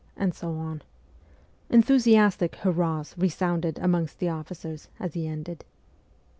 . and so on. Enthusiastic hurrahs resounded amongst the officers as he ended.